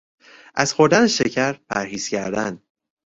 از خوردن شکر پرهیز کردن